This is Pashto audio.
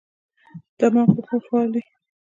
دماغ په خوب فعال وي.